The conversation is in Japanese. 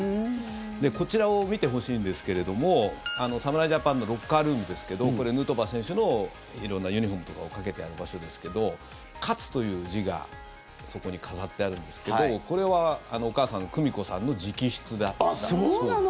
こちらを見てほしいんですけれども侍ジャパンのロッカールームですけどこれ、ヌートバー選手の色んなユニホームとかをかけてある場所ですけど「勝」という字がそこに飾ってあるんですけどこれはお母さん、久美子さんの直筆だそうです。